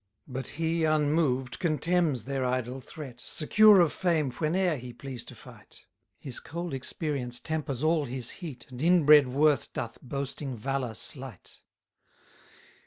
115 But he, unmoved, contemns their idle threat, Secure of fame whene'er he please to fight: His cold experience tempers all his heat, And inbred worth doth boasting valour slight.